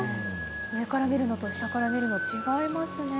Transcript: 上から見るのと下から見るの、違いますね。